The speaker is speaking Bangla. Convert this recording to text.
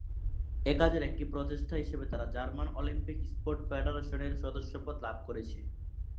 এ কাজের একটি প্রচেষ্টা হিসেবে তারা জার্মান অলিম্পিক স্পোর্টস ফেডারেশনের সদস্যপদ লাভ করেছে।